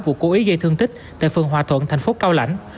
vụ cố ý gây thương tích tại phường hòa thuận thành phố cao lãnh